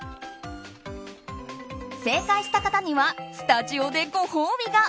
正解した方にはスタジオでご褒美が。